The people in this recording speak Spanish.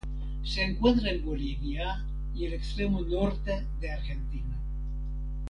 Se encuentra en Bolivia y el extremo norte de Argentina.